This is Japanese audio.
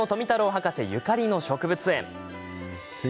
博士ゆかりの植物園。